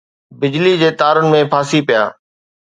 بجلي جي تارن ۾ ڦاسي پيا